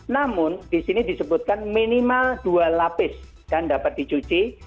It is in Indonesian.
namun di sini disebutkan minimal dua lapis dan dapat dicuci